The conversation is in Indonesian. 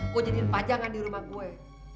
mau jadiin pajangan di rumah gue